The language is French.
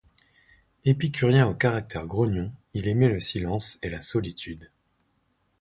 Épicurien au caractère grognon, il aime le silence et la solitude.